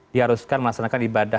diharuskan melaksanakan ibadah